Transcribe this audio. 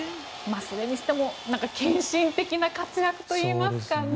それにしても献身的な活躍といいますか。